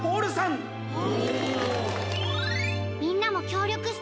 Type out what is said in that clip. みんなもきょうりょくして。